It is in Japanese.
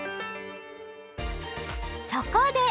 そこで！